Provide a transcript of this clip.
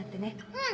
うん！